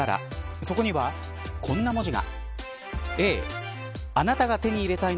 そこには、こんな文字が。